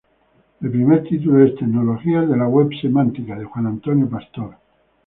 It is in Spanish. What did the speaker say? El primer título es "Tecnologías de la web semántica" de Juan Antonio Pastor.